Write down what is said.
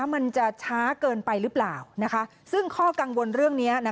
มันจะช้าเกินไปหรือเปล่าซึ่งข้อกังวลเรื่องนี้